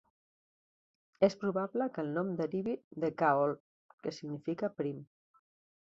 És probable que el nom derivi de "caol", que significa prim.